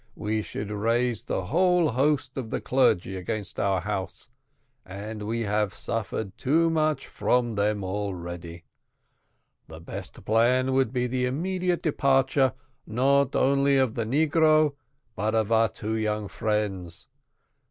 we should raise the whole host of the clergy against our house, and we have suffered too much from them already; the best plan would be the immediate departure, not only of the negro, but of our two young friends.